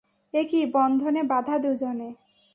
একি বন্ধনে বাঁধা দু’জনে!